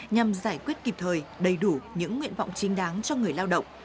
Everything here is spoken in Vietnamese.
nhằm giải quyết kịp thời đầy đủ những nguyện vọng chính đáng cho người lao động